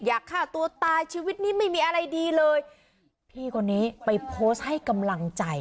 อยากฆ่าตัวตายชีวิตนี้ไม่มีอะไรดีเลยพี่คนนี้ไปโพสต์ให้กำลังใจ